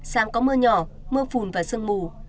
sáng có mưa nhỏ mưa phùn và sơn mù